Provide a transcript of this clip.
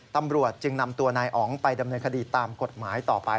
ตำรวจจึงนำตัวนายอ๋องไปดำเนินคดีตามกฎหมายต่อไป